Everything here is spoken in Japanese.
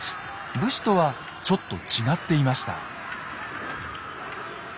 武士とはちょっと違っていました。